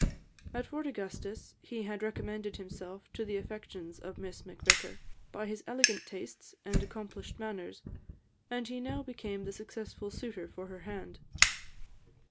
At Fort Augustus, he had recommended himself to the affections of Miss Macvicar, by his elegant tastes and accomplished manners, and he now became the successful suitor for her hand.